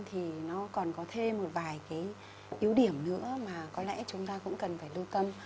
thì nó còn có thêm một vài yếu điểm nữa mà có lẽ chúng ta cũng cần phải lưu cân